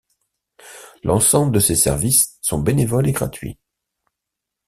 L'ensemble de ses services sont bénévoles et gratuits.